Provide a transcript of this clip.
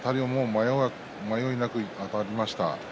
迷いなく、あたりました。